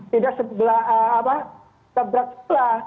tidak sebelah apa seberat sebelah